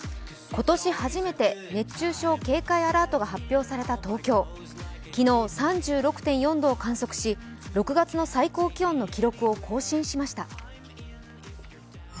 今年初めて熱中症警戒アラート発表された東京、昨日、３６．４度を観測し、６月の最高気温の記録を更新しました。